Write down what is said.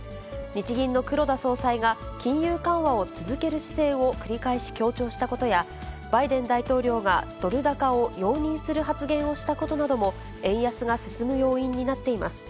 日銀の黒田総裁が金融緩和を続ける姿勢を繰り返し強調したことや、バイデン大統領がドル高を容認する発言をしたことなども、円安が進む要因になっています。